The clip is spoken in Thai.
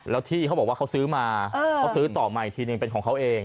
แล้วที่เขาบอกว่าเขาซื้อมาเขาซื้อต่อใหม่อีกทีหนึ่งเป็นของเขาเอง